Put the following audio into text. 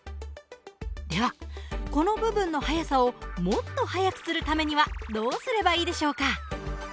ではこの部分の速さをもっと速くするためにはどうすればいいでしょうか？